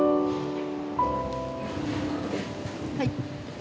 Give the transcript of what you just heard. はい。